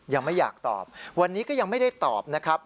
ยังไม่อยากตอบวันนี้ก็ยังไม่ได้ตอบนะครับ